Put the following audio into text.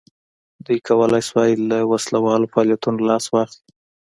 دوی کولای شوای له وسله والو فعالیتونو لاس واخلي.